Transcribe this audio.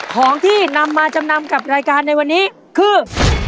ของที่นำมาจำนำกับรายการในวันนี้คือ